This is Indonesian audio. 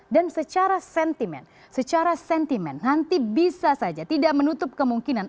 dan secara sentimen nanti bisa saja tidak menutup kemungkinan